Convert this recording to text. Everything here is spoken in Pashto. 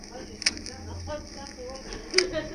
ما د ورور په چاړه ورور دئ حلال كړى -